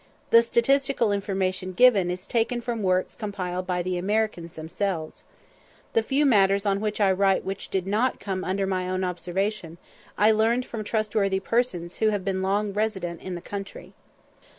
The statistical information given is taken from works compiled by the Americans themselves. The few matters on which I write which did not come under my own observation, I learned from trustworthy persons who have been long resident in the country.